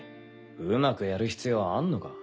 うまくやる必要あんのか？